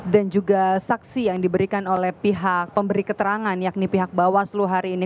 dan juga saksi yang diberikan oleh pihak pemberi keterangan yakni pihak bawaslu hari ini